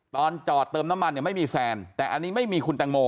ตอนจอดเติมน้ำมันเนี่ยไม่มีแซนแต่อันนี้ไม่มีคุณแตงโม